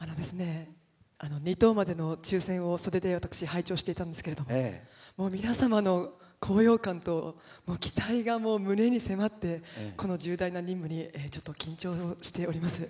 ２等までの抽せんを袖で私拝聴していたんですけれども皆様の高揚感と期待が胸に迫ってこの重大な任務に緊張しております。